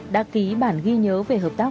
đã ký bản ghi nhớ về hợp tác